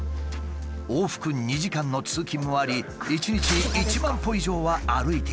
往復２時間の通勤もあり１日１万歩以上は歩いていたというが。